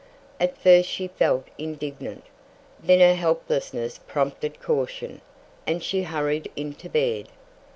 At first she felt indignant, then her helplessness prompted caution, and she hurried into bed.